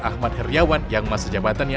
ahmad heriawan yang masa jabatannya